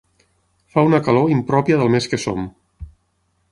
Fa una calor impròpia del mes que som.